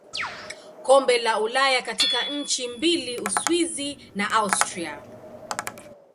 Kombe la Ulaya katika nchi mbili Uswisi na Austria.